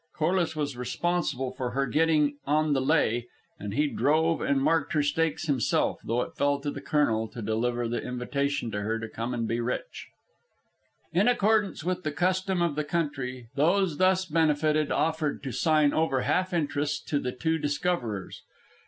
Corliss was responsible for her getting in on the lay, and he drove and marked her stakes himself, though it fell to the colonel to deliver the invitation to her to come and be rich. In accordance with the custom of the country, those thus benefited offered to sign over half interests to the two discoverers.